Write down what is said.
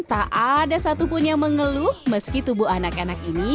tak ada satupun yang mengeluh meski tubuh anak anak ini